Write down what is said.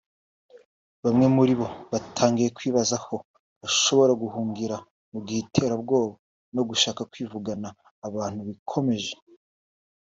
bamwe muri bo batangiye kwibaza aho bashobora guhungira mu gihe iterabwoba no gushaka kwivugana abantu bikomeje